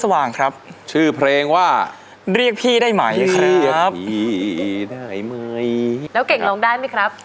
ชื่อเพลงว่าเรียกพี่ได้ไหมครับพี่ได้ไหมแล้วเก่งร้องได้ไหมครับ